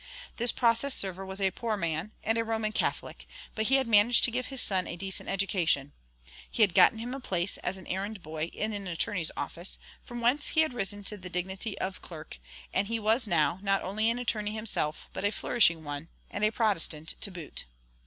This process server was a poor man, and a Roman Catholic, but he had managed to give his son a decent education; he had gotten him a place as an errand boy in an attorney's office, from whence he had risen to the dignity of clerk, and he was now, not only an attorney himself, but a flourishing one, and a Protestant to boot.